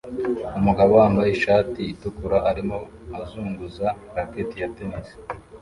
Umugabo wambaye ishati itukura arimo azunguza racket ya tennis